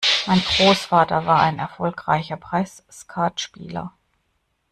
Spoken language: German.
Mein Großvater war ein erfolgreicher Preisskatspieler.